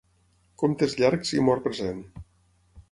Comptes llargs i mort present.